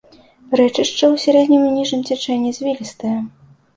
Рэчышча ў сярэднім і ніжнім цячэнні звілістае.